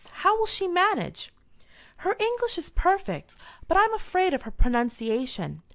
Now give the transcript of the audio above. How will she manage?" "Her English is perfect, but I am afraid of her pronunciation.